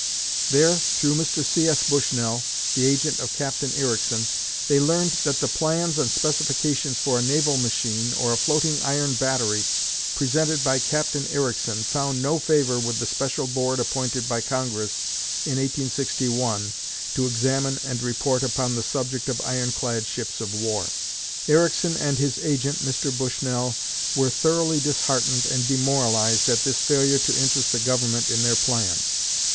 There, through Mr. C.S. Bushnell, the agent of Captain Ericsson, they learned that the plans and specifications for a naval machine, or a floating iron battery, presented by Captain Ericsson, found no favor with the special board appointed by Congress in 1861 to examine and report upon the subject of iron clad ships of war. Ericsson and his agent, Mr. Bushnell, were thoroughly disheartened and demoralized at this failure to interest the Government in their plans.